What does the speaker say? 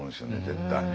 絶対。